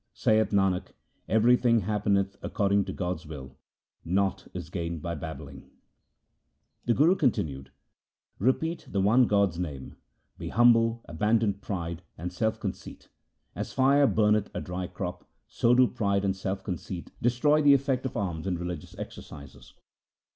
Saith Nanak, everything happeneth according to God's will ; naught is gained by babbling. 1 1 Gojari. LIFE OF GURU AMAR DAS 83 The Guru continued :' Repeat the one God's name, be humble, abandon pride, and self conceit. As fire burneth a dry crop, so do pride and self conceit destroy the effect of alms and religious exercises.